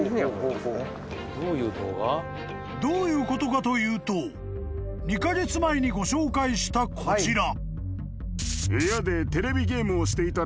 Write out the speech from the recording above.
［どういうことかというと２カ月前にご紹介したこちら］